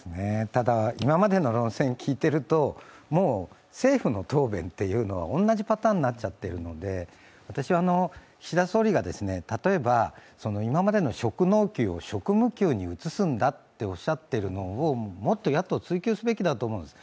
ただ今までの論戦、聞いてると政府の答弁は同じパターンになっちゃっているので、私は岸田総理が例えば、今までの職能給を職務給に移すんだとおっしゃっているのをもっと野党は追及すべきだと思うんです。